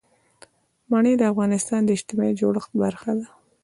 منی د افغانستان د اجتماعي جوړښت برخه ده.